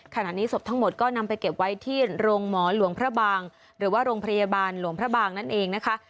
ขณะนี้ศพทั้งหมดก็นำไปเก็บไว้ที่โรงหมอหลวงพระบางหรือว่าโรงพยาบาลหลวงพระบางนั่นเองนะคะ